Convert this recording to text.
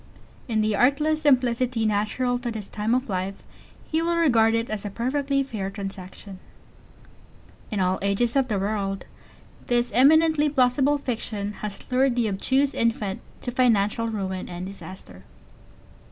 In the artless simplicity natural to this time of life, he will regard it as a perfectly fair transaction. In all ages of the world this eminently plausible fiction has lured the obtuse infant to financial ruin and disaster.